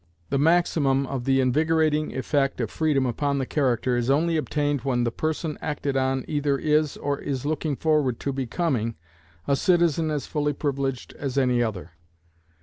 The maximum of the invigorating effect of freedom upon the character is only obtained when the person acted on either is, or is looking forward to becoming, a citizen as fully privileged as any other.